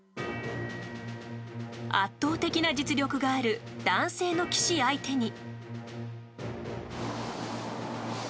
圧倒的な実力がある男性の棋士相手に。